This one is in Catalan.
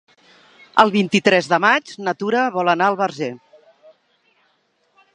El vint-i-tres de maig na Tura vol anar al Verger.